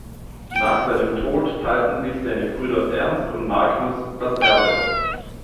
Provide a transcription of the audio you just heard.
Nach seinem Tod teilten sich seine Brüder Ernst und Magnus das Erbe.